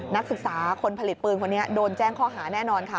นักศึกษาคนผลิตปืนคนนี้โดนแจ้งข้อหาแน่นอนค่ะ